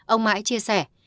ông mãi chia sẻ